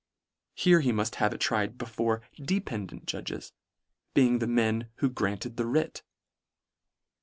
Here he muft have it tried before dependant judges, being the men who granted the writ.